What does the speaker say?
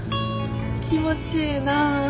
気持ちええなあ。